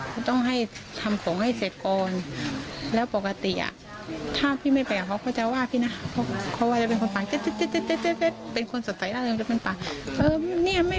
ไม่อยากแต่งแล้วพี่บอกว่าทำไม